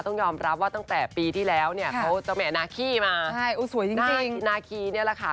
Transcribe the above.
ต้องยอมรับว่าตั้งแต่ปีที่แล้วเนี้ยเขาจะแหม่นาคีมาใช่อุ้ยสวยจริงจริงนาคีเนี้ยแหละค่ะ